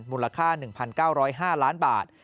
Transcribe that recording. มูลค่า๑๙๐๕ล้านบาท